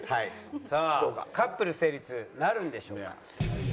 さあカップル成立なるんでしょうか？